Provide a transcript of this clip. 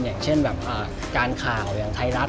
อย่างเช่นแบบการข่าวอย่างไทยรัฐ